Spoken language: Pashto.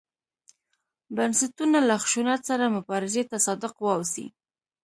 بنسټونه له خشونت سره مبارزې ته صادق واوسي.